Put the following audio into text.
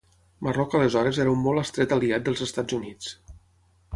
Marroc aleshores era un molt estret aliat dels Estats Units.